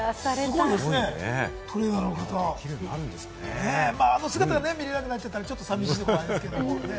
すごいですね、トレーナーの方、あの姿がね、見られなくなっちゃうのはちょっと寂しいのはありますけどね。